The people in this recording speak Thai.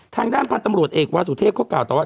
ทางด้านพันธ์ตำรวจเอกวาสุเทพเขากล่าต่อว่า